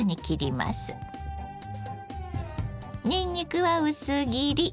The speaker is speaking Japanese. にんにくは薄切り。